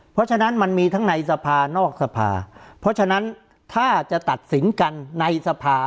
เพราะฉะนั้นมันมีทั้งในสภานอกสภาเพราะฉะนั้นถ้าจะตัดสินกันในสภา